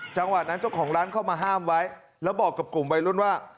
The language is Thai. จังหวะนั้นเจ้าของร้านเข้ามาห้ามไว้แล้วบอกกับกลุ่มวัยรุ่นว่า